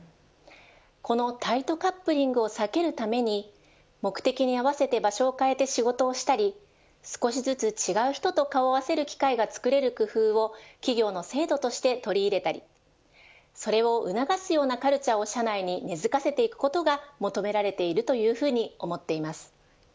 このタイトカップリングを避けるために目的に合わせて場所を変えて仕事をしたり少しずつ違う人と顔を合わせる機会がつくれる工夫を企業の制度として取り入れたりそれを促すようなカルチャーを社内に根づかせていくことが求められていく